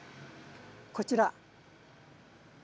こちら。